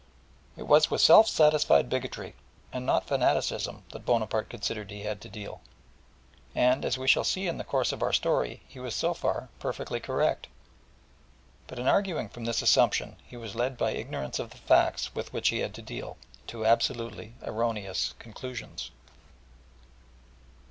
It was with self satisfied bigotry and not fanaticism that Bonaparte considered he had to deal, and as we shall see in the course of our story, he was so far perfectly correct. But in arguing from this assumption, he was led by ignorance of the facts with which he had to deal, to absolutely erroneous conclusions.